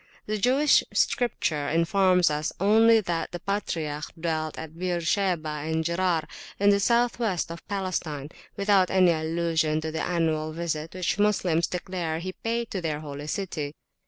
The Jewish Scripture informs us only that the patriarch dwelt at Beersheba and Gerar, in the south west of Palestine, without any allusion to the annual visit which Moslems declare he paid to their Holy City.